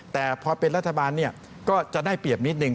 แต่พอเป็นรัฐบาลก็จะได้เปรียบนิดนึ